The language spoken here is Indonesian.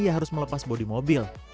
ia harus melepas bodi mobil